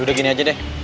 udah gini aja deh